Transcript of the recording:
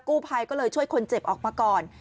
กู้ภัยก็เลยช่วยคนเจ็บออกมาก่อน